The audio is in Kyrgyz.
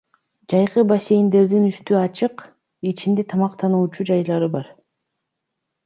Жайкы бассейндердин үстү ачык, ичинде тамактануучу жайлары бар.